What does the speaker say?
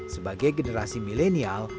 sebagai generasi milenial